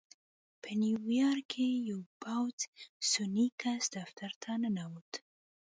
په نيويارک کې يو پوخ سنی کس دفتر ته ننوت.